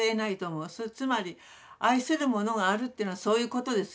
つまり愛する者があるというのはそういうことですよね。